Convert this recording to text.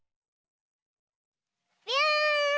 びゅん！